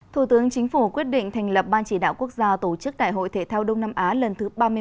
thủ tướng chính phủ quyết định thành lập ban chỉ đạo quốc gia tổ chức đại hội thể thao đông nam á lần thứ ba mươi một